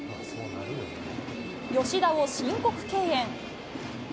吉田を申告敬遠。